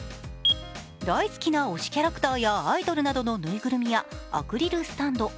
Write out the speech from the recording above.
大好きな推しキャラクターやアイドルなどのぬいぐるみやアクリルスタンド。